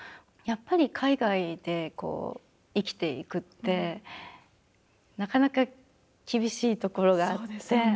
やっぱり海外で生きていくってなかなか厳しいところがあって。